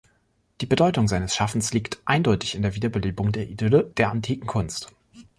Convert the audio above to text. Die Bedeutung seines Schaffens liegt eindeutig in der Wiederbelebung der Idylle der antiken Kunst.